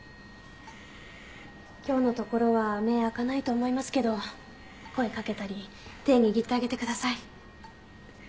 今日のところは目開かないと思いますけど声かけたり手握ってあげてください。